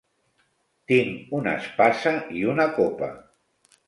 Tinc una espasa i una copa.